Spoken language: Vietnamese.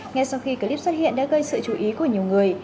ngay sau khi clip xuất hiện đã gây sự chú ý của nhiều người